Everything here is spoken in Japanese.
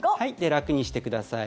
楽にしてください。